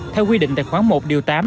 theo quy định tài khoản một điều tám